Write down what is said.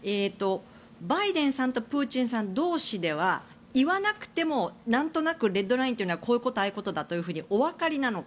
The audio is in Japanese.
バイデンさんとプーチンさん同士では言わなくてもなんとなくレッドラインはこういうこと、ああいうことだとおわかりなのか。